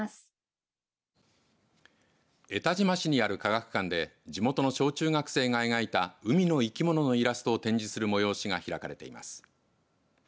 江田島市にある科学館で地元の小学生たちが描いた海の生き物のイラストを展示する特別展が開かれています。